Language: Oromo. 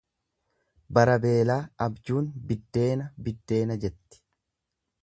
Bara beelaa abjuun biddeena biddeena jetti.